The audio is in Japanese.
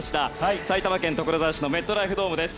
埼玉県所沢市のメットライフドームです。